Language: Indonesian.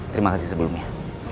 terima kasih sebelumnya